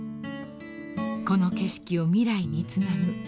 ［この景色を未来につなぐ］